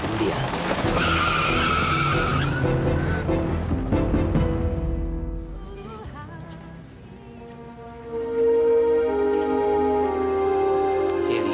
kau terlalu brett dioney